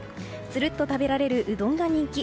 つるっと食べられるうどんが人気。